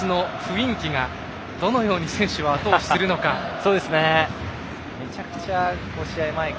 この独特の国立の雰囲気がどのように選手を後押しするのか。